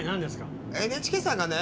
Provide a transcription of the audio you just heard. ＮＨＫさんがね